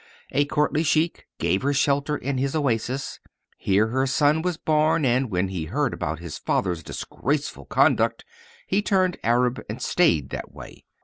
A courtly sheik gave her shelter in his oasis. Here her son was born, and when he heard about his father's disgraceful conduct he turned Arab and stayed that way.